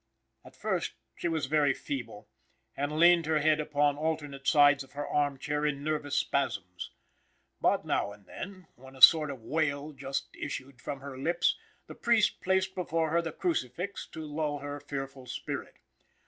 At first she was very feeble, and leaned her head upon alternate sides of her arm chair in nervous spasms; but now and then, when a sort of wail just issued from her lips, the priest placed before her the crucifix to lull her fearful spirit.